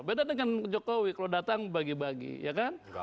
beda dengan jokowi kalau datang bagi bagi ya kan